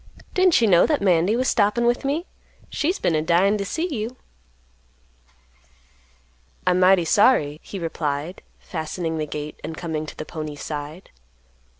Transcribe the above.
"Didn't you know that Mandy was stoppin' with me? She's been a dyin' to see you." "I'm mighty sorry," he replied, fastening the gate and coming to the pony's side.